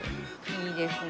いいですね。